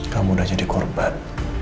kamu udah jadi korban